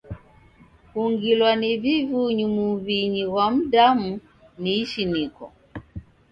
Kungilwa ni vivunyu muw'inyi ghwa mdamu ni ishiniko.